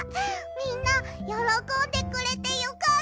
みんなよろこんでくれてよかった！